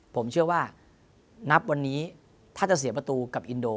ผมเชื่อว่านับวันนี้ถ้าจะเสียประตูกับอินโด